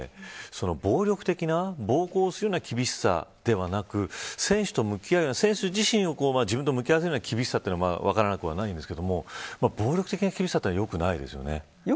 暴力的な暴行するような厳しさではなく選手と向き合うような選手自身を自分と向き合わせるような厳しさは分からなくはないんですが暴力的な厳しさは良くないですよね。